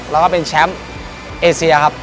แล้วก็เป็นแชมป์เอเซียครับ